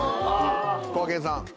こがけんさん。